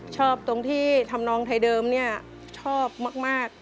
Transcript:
ชอบตรงที่ทำร้องไทยเดิมนี่ชอบมาก